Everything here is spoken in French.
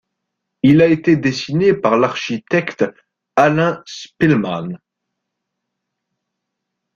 Il a été dessiné par l'architecte Alain Spielmann.